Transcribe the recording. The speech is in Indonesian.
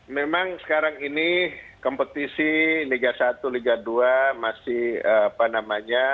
memang sekarang ini kompetisi liga satu liga dua masih apa namanya